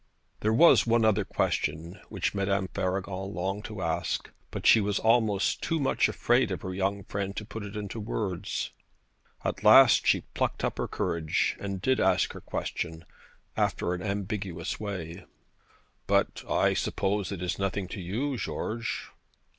There was one other question which Madame Faragon longed to ask; but she was almost too much afraid of her young friend to put it into words. At last she plucked up courage, and did ask her question after an ambiguous way. 'But I suppose it is nothing to you, George?'